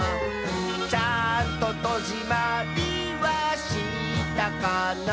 「ちゃんととじまりはしたかな」